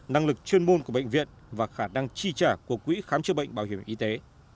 năng lực chuyên môn của bệnh viện và khả năng chi trả của quỹ khám chữa bệnh bảo hiểm y tế